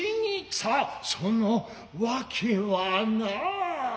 さあその訳はな。